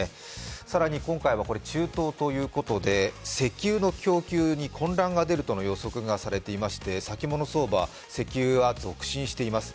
更に今回は中東ということで、石油の供給に混乱が出るとの予測がされていまして、先物相場、石油は続伸しています。